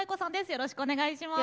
よろしくお願いします。